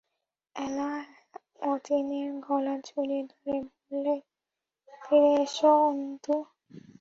এলা অতীনের গলা জড়িয়ে ধরে বললে, ফিরে এস, অন্তু।